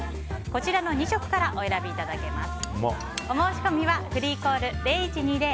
こちらの２色からお選びいただけます。